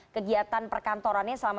kegiatan perkantorannya selama